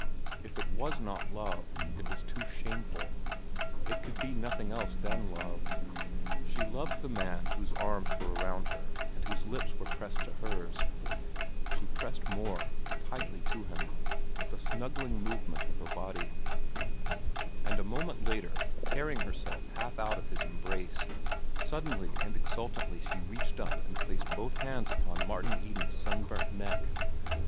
If it was not love, it was too shameful. It could be nothing else than love. She loved the man whose arms were around her and whose lips were pressed to hers. She pressed more tightly to him, with a snuggling movement of her body. And a moment later, tearing herself half out of his embrace, suddenly and exultantly she reached up and placed both hands upon Martin Eden's sunburnt neck.